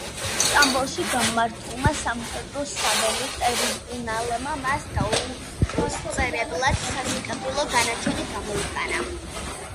სტამბოლში გამართულმა სამხედრო საველე ტრიბუნალმა მას დაუსწრებლად სასიკვდილო განაჩენი გამოუტანა.